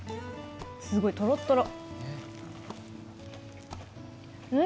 すごい、とろっとろ。